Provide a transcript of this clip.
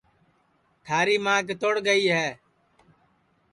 تھاری ماں کیتوڑ گئی ہے